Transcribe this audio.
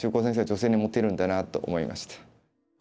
女性にモテるんだなと思いました。